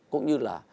cũng như là